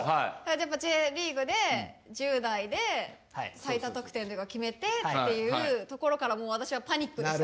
やっぱＪリーグで１０代で最多得点とか決めてっていうところからもう私はパニックでした。